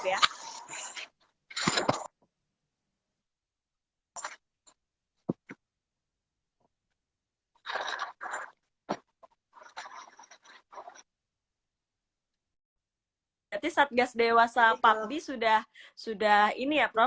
berarti satgas dewasa papdi sudah sudah ini ya prof